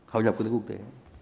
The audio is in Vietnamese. hội nhập kinh tế quốc tế